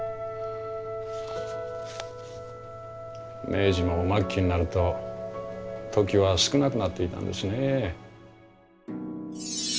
明治も末期になるとトキは少なくなっていたんですね。